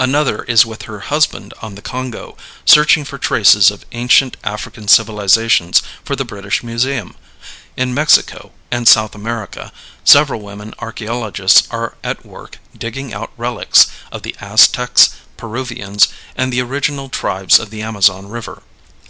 Another is with her husband on the Congo searching for traces of ancient African civilizations for the British Museum. In Mexico and South America several women archeologists are at work digging out relics of the Aztecs, Peruvians, and the original tribes of the Amazon River.